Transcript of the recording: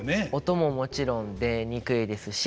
音ももちろん出にくいですし